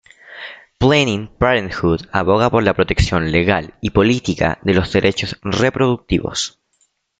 Planning Parenthood aboga por la protección legal y política de los derechos reproductivos.